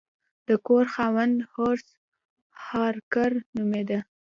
د کور خاوند هورس هارکر نومیده.